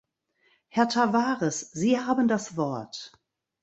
Herr Tavares, Sie haben das Wort.